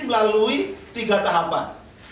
melalui tiga tahapan